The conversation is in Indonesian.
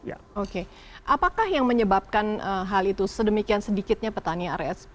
apakah yang menyebabkan hal itu sedemikian sedikitnya petani rsp